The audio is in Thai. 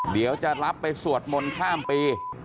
เดี๋ยวจะรับไปสวดมนต์ข้ามปี